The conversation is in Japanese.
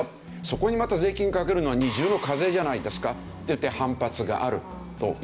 そこにまた税金をかけるのは二重の課税じゃないんですかっていって反発があるという事なんですね。